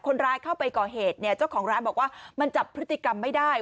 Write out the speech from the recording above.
คนร้ายเข้าไปก่อเหตุเนี่ยเจ้าของร้านบอกว่ามันจับพฤติกรรมไม่ได้